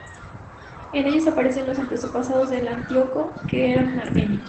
En ellas aparecen los antepasados de Antíoco, que eran armenios.